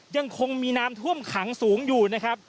ยังคงมีน้ำท่วมขังสูงอยู่นะครับ